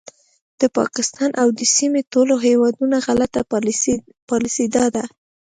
د پاکستان او د سیمې ټولو هیوادونو غلطه پالیسي دا ده